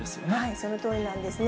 そのとおりなんですね。